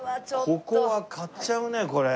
ここは買っちゃうねこれ。